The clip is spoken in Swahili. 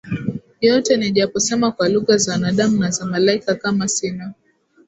yote Nijaposema kwa lugha za wanadamu na za malaika kama sina